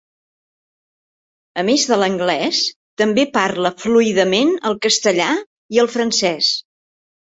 A més de l'anglès, també parla fluidament el castellà i el francès.